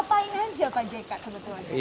ngapain aja pak jk sebetulnya